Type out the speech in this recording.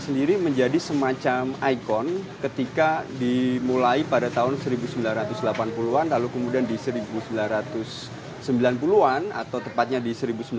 sendiri menjadi semacam ikon ketika dimulai pada tahun seribu sembilan ratus delapan puluh an lalu kemudian di seribu sembilan ratus sembilan puluh an atau tepatnya di seribu sembilan ratus sembilan puluh